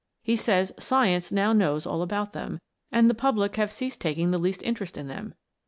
He says science now knows all about them, and the public have ceased taking the least interest in them.